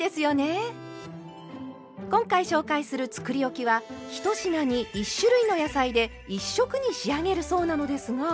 今回紹介するつくりおきは１品に１種類の野菜で１色に仕上げるそうなのですが。